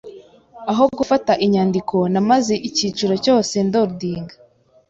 Aho gufata inyandiko, namaze icyiciro cyose doodling.